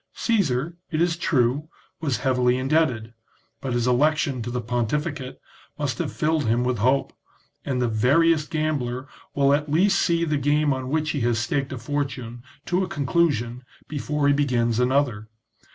Caesar, it is true, was heavily indebted, but his election to the pontificate must have filled him with hope, and the veriest gambler will at least see the game on which he has staked a fortune to a conclusion before he begins another.